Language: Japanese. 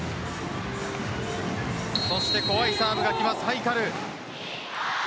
そして怖いサーブがきますハイカル。